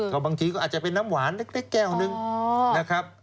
ก็บางทีก็อาจจะเป็นน้ำหวานเล็กแก้วหนึ่งนะครับ